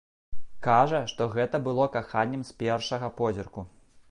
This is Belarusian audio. Кажа, што гэта было каханнем з першага позірку.